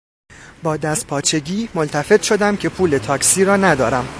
با دستپاچگی ملتفت شدم که پول تاکسی را ندارم.